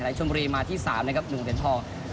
ไหนชมรีมาที่สามนะครับหนึ่งเหรียญทอง